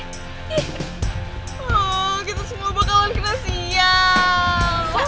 awww kita semua bakalan kena siang